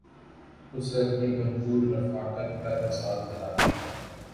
اُسے اپنی بھر پور رفاقت کا احساس دلاتی ہے